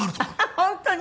本当に？